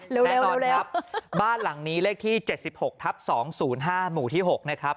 แน่นอนครับบ้านหลังนี้เลขที่๗๖ทับ๒๐๕หมู่ที่๖นะครับ